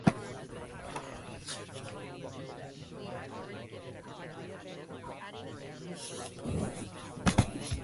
Residents have been gradually leaving farming and agriculture to engage in construction and services.